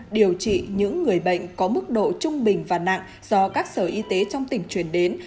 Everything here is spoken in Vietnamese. điều trị những người bệnh có mức độ trung bình và nặng do các sở y tế trong tỉnh chuyển đến